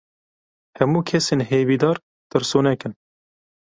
Hemû kesên hêvîdar tirsonek in.